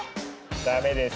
ダメです！